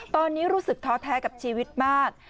ตอนนี้รู้สึกท้อแท้กับชีวิตมาก